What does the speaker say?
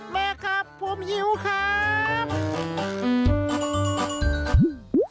แม่ครับผมหิวครับ